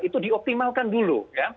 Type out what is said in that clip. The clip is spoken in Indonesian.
itu dioptimalkan dulu